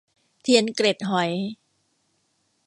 เทียนเกล็ดหอย